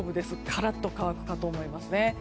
カラッと乾くかと思いますね。